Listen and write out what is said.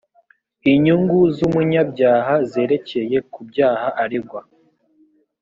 inyungu z umunyabyaha zerekeye ku byaha aregwa